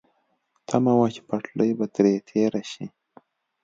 تمه وه چې پټلۍ به ترې تېره شي.